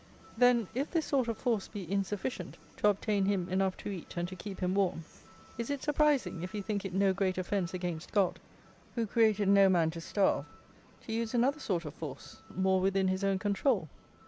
Then, if this sort of force be insufficient to obtain him enough to eat and to keep him warm, is it surprising, if he think it no great offence against God (who created no man to starve) to use another sort of FORCE more within his own control?